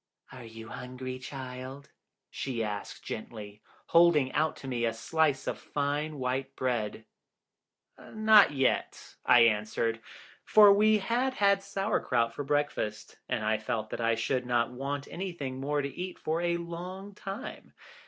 "Are you hungry, child?" she asked gently, holding out to me a slice of fine white bread. "Not yet," I answered, for we had had Sauerkraut for breakfast, and I felt that I should not want anything more to eat for a long time.